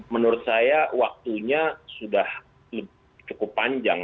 menurut saya waktunya sudah cukup panjang